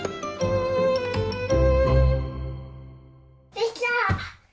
できた！